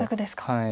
はい。